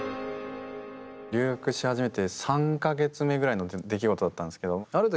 留学し始めて３か月目ぐらいの出来事だったんですけどある